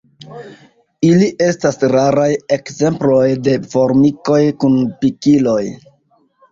Ili estas raraj ekzemploj de formikoj kun pikiloj.